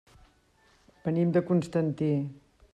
Venim de Constantí.